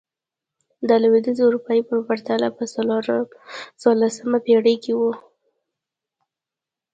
دا د لوېدیځې اروپا په پرتله په څوارلسمه پېړۍ کې و.